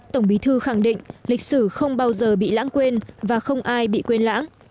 tổng bí thư khẳng định lịch sử không bao giờ bị lãng quên và không ai bị quên lãng